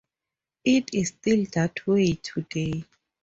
It is still that way today.